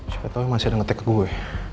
coba tau yang masih ada ngetek ke gue